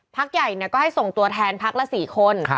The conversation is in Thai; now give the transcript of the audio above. พักใหญ่ก็ให้ส่งตัวแทนพักละ๔คน